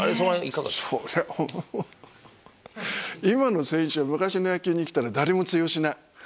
今の選手は昔の野球に来たら誰も通用しない。